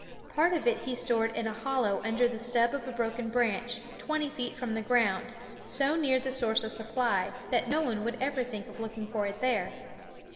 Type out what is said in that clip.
Part of it he stored in a hollow under the stub of a broken branch, twenty feet from the ground, so near the source of supply that no one would ever think of looking for it there.